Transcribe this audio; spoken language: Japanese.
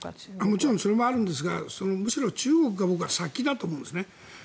もちろんそれもあるんですがむしろ中国が僕は先だと思うんですね。